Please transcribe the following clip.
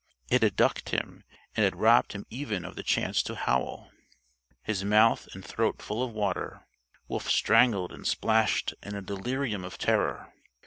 It had ducked him and had robbed him even of the chance to howl. His mouth and throat full of water, Wolf strangled and splashed in a delirium of terror.